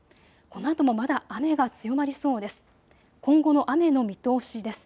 このあともまだ雨が強まりそうです。